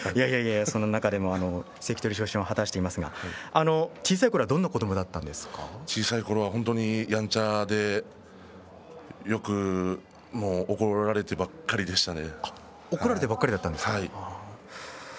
その中でも関取昇進を果たしていますが、小さいころは小さいころは本当にやんちゃでよく怒られてばっかりでしたね。